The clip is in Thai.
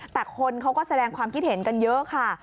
แต่คนเขาก็แสดงความคิดเห็นกันเยอะค่ะ